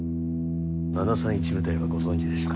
７３１部隊をご存じですか。